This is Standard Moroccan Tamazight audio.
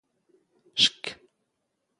ⵛⴽⴽ.